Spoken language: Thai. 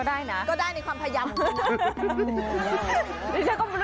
มอลำคลายเสียงมาแล้วมอลำคลายเสียงมาแล้ว